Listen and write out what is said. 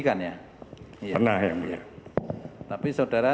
tanda tangan saudara